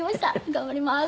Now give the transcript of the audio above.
頑張ります。